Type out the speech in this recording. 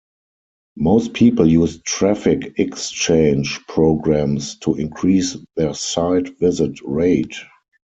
Most people use Traffic Exchange programs to increase their site visit rate.